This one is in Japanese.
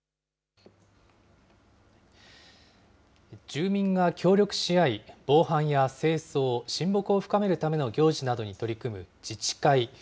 住民が協力し合い、防犯や清掃、親睦を深めるための行事などに取り組む自治会。